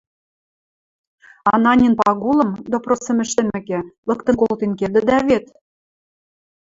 Ананин Пагулым, допросым ӹштӹмӹкӹ, лыктын колтен кердӹдӓ вет?